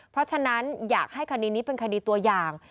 เพราะฉะนั้นอยากให้คดีนี้เป็นคดีตัวอย่าง